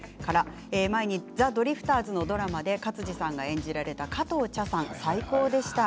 前にザ・ドリフターズのドラマで勝地さんが演じられた加藤茶さんは最高でした。